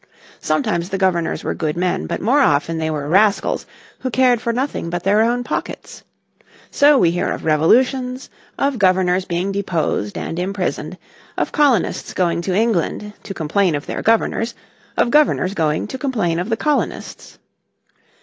Sometimes the governors were good men, but more often they were rascals who cared for nothing but their own pockets. So we hear of revolutions, of governors being deposed and imprisoned, of colonists going to England to complain of their governors, of governors going to complain of the colonists.